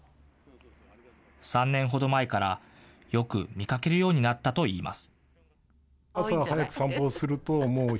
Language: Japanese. ３年ほど前からよく見かけるようになったといいます。